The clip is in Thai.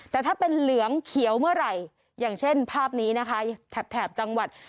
แต่ถ้าเป็นเหลืองเขียวเมื่อไหร่อย่างเช่นภาพนี้นะคะแถบจังหวัด